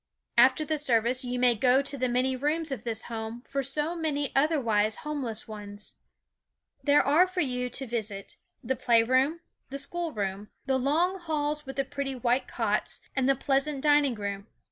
After the service you may go to the many rooms of this home for so many otherwise homeless ones. There are for you to visit: the playroom, the schoolroom, the long halls with the pretty white cots, and the pleasant dining room.